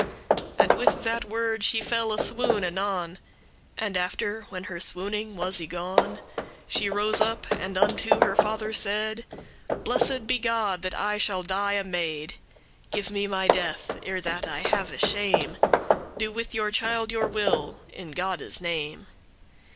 And with that word she fell a swoon anon; And after, when her swooning was y gone, She rose up, and unto her father said: "Blessed be God, that I shall die a maid. Give me my death, ere that I have shame; Do with your child your will, in Godde's name."